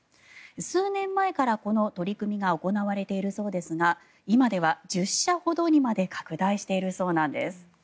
数年前からこの取り組みが行われているそうですが今では１０社ほどにまで拡大しているそうなんです。